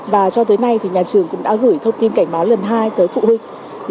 và cho tới nay thì nhà trường cũng đã gửi thông tin cảnh báo lần hai tới phụ huynh